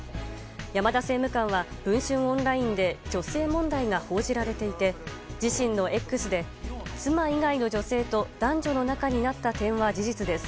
山田政務官は文春オンラインで女性問題が報じられていて自身のＸで、妻以外の女性と男女の仲になった点は事実です。